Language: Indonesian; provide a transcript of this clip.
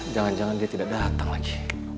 jangan jangan dia tidak datang lagi